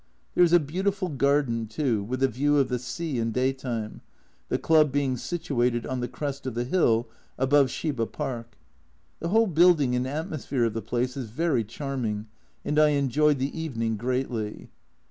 There is a beautiful garden, too, with a view of the sea in day time, the Club being situated on the crest of the hill above Shiba Park. The whole building and atmosphere of the place is very charming, and I enjoyed the evening greatly.